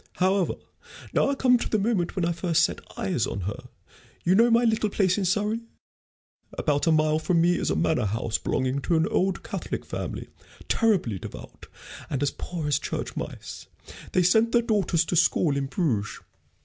However, now I come to the moment when I first set eyes on her. You know my little place in Surrey? About a mile from me is a manor house belonging to an old Catholic family, terribly devout and as poor as church mice. They sent their daughters to school in Bruges.